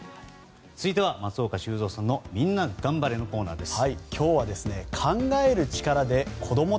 続いては松岡修造さんのみんながん晴れのコーナーです。